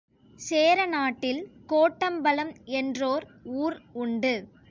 சேர நாட்டில் கோட்டம்பலம் என்றோர் ஊர் உண்டு.